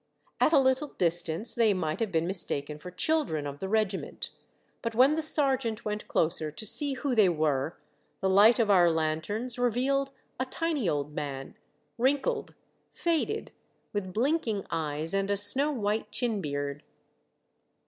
At a little distance they might have been mistaken for children of the regiment, but when the sergeant went closer to see who they were, the light of our lanterns revealed a tiny old man, wrinkled, faded, with blinking eyes and a snow white chin beard.